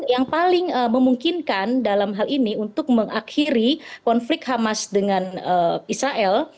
yang paling memungkinkan dalam hal ini untuk mengakhiri konflik hamas dengan israel